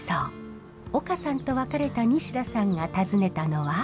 丘さんと別れた西田さんが訪ねたのは。